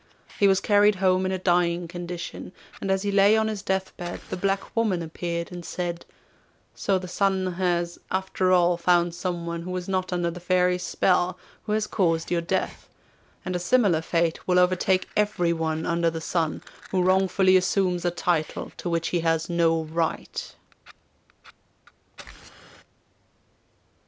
He was carried home in a dying condition, and as he lay on his death bed the black woman appeared and said: 'So the Sun has, after all, found someone, who was not under the Fairy's spell, who has caused your death. And a similar fate will overtake everyone under the Sun who wrongfully assumes a title to which he has no right.